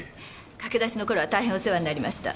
駆け出しの頃は大変お世話になりました。